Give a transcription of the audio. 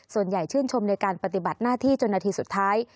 ส่วนใหญ่ชื่นชมในการปฏิบัติหน้าที่จนนาทีสุดท้าย